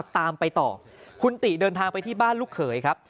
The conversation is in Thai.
ตามไปต่อคุณติเดินทางไปที่บ้านลูกเขยครับ